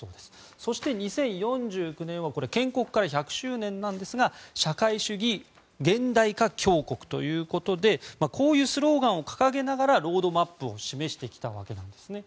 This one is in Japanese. そして、２０４９年は建国から１００周年なんですが社会主義現代化強国ということでこういうスローガンを掲げながらロードマップを示してきたわけなんですね。